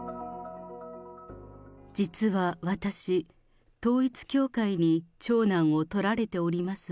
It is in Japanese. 実は私、統一教会に長男をとられております